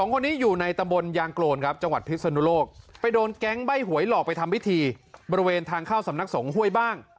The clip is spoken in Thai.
คนนี้อยู่ในตำบลยางโกนครับจังหวัดพิศนุโลกไปโดนแก๊งใบ้หวยหลอกไปทำพิธีบริเวณทางเข้าสำนักสงฆ์ห้วยบ้าง